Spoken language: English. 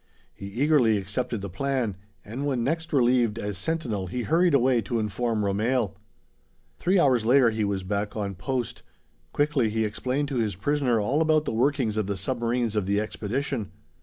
He eagerly accepted the plan; and when next relieved as sentinel, he hurried away to inform Romehl. Three hours later he was back on post. Quickly he explained to his prisoner all about the workings of the submarines of the expedition.